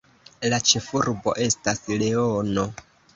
La ĉefurbo estas Leono.